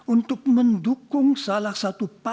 untuk mendukung salah satu partai